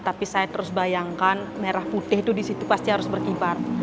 tapi saya terus bayangkan merah putih itu di situ pasti harus berkibar